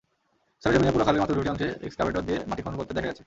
সরেজমিনে পুরো খালের মাত্র দুটি অংশে এক্সকাভেটর দিয়ে মাটি খনন করতে দেখা গেছে।